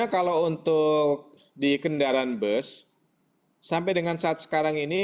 kalau untuk di kendaraan bus sampai dengan saat sekarang ini